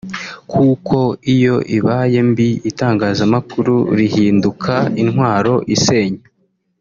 kuko iyo ibaye mbi itangazamakuru rihinduka intwaro isenya